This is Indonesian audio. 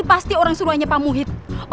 ini pasti orang suruhnya pak muhyiddin ya